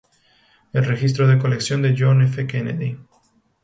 El registro de colección de John F. Kennedy